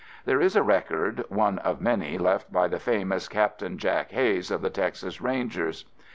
There is a record, one of many left by the famous Captain Jack Hays of the Texas Rangers.